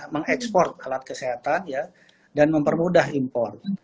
meng export alat kesehatan ya dan mempermudah import